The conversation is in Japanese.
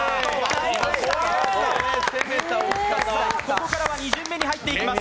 ここからは２巡目に入っていきます。